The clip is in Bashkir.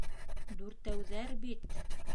Дүртәүҙәр бит!